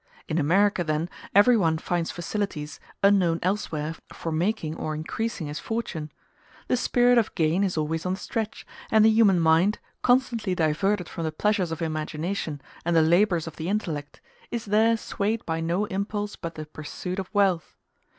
In America, then, every one finds facilities, unknown elsewhere, for making or increasing his fortune. The spirit of gain is always on the stretch, and the human mind, constantly diverted from the pleasures of imagination and the labors of the intellect, is there swayed by no impulse but the pursuit of wealth.